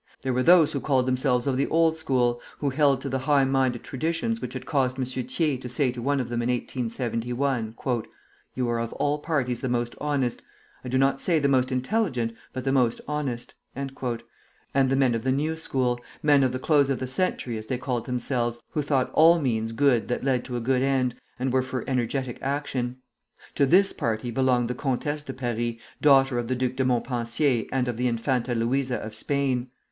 There were those who called themselves of the old school, who held to the high minded traditions which had caused M. Thiers to say to one of them in 1871, "You are of all parties the most honest, I do not say the most intelligent, but the most honest;" and the men of the new school, men of the close of the century, as they called themselves, who thought all means good that led to a good end, and were for energetic action. To this party belonged the Comtesse de Paris, daughter of the Duc de Montpensier and of the Infanta Luisa of Spain.